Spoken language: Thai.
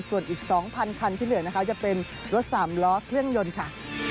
ส่วนอีก๒๐๐คันที่เหลือนะคะจะเป็นรถสามล้อเครื่องยนต์ค่ะ